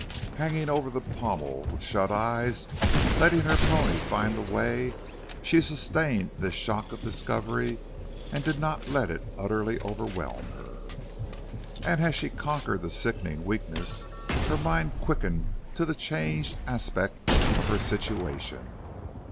Hanging over the pommel, with shut eyes, letting her pony find the way, she sustained this shock of discovery and did not let it utterly overwhelm her. And as she conquered the sickening weakness her mind quickened to the changed aspect of her situation.